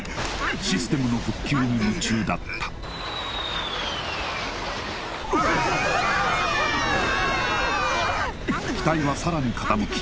システムの復旧に夢中だった機体はさらに傾き